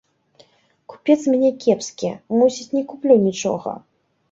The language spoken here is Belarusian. Купец з мяне кепскі, мусіць, не куплю нічога.